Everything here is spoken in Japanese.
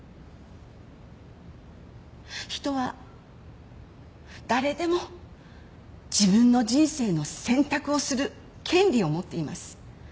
人は誰でも自分の人生の選択をする権利を持っています。